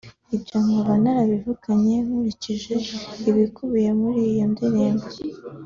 Ibyo nkaba narabivugaga nkurikije ibikubiye muri iyo ndirimbo